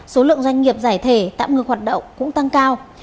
số lượng doanh nghiệp giải thể tạm ngừng hoạt động cũng tăng cao